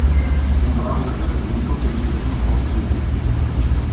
È un browser web unico che mette al primo posto gli utenti.